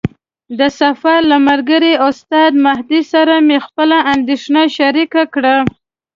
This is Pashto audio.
د سفر له ملګري استاد مهدي سره مې خپله اندېښنه شریکه کړه.